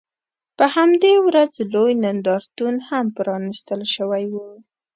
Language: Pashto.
په همدې ورځ لوی نندارتون هم پرانیستل شوی و.